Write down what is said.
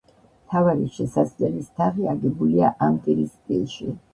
მთავარი შესასვლელის თაღი აგებულია ამპირის სტილში.